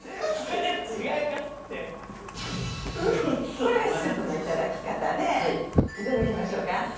これがスープのいただき方でいただきましょうか次。